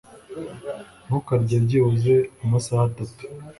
Ntukarye byibuze amasaha atatu.